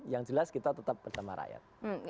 yang jelas kita tetap bersama rakyat